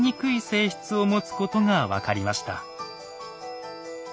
性質を持つことが分かりました。